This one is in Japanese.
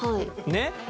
ねっ。